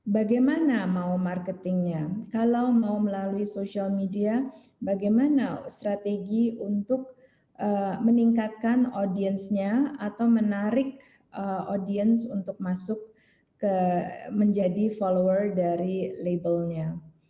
bagaimana mau marketingnya kalau mau melalui social media bagaimana strategi untuk meningkatkan audiensnya atau menarik audience untuk masuk menjadi follower dari labelnya